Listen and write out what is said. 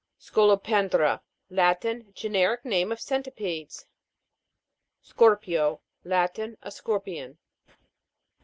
SCOLOPEN'DRA. Latin. Generic name of centipedes. SCOR'PIO. Latin. A scorpion.